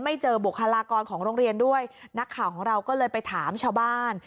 เจอบุคลากรของโรงเรียนด้วยนักข่าวของเราก็เลยไปถามชาวบ้าน